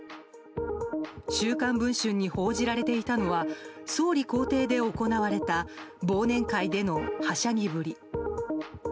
「週刊文春」に報じられていたのは総理公邸で行われた忘年会でのはしゃぎぶり。